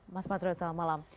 mas patriot selamat malam